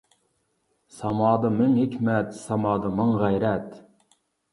سامادا مىڭ ھېكمەت، سامادا مىڭ غەيرەت.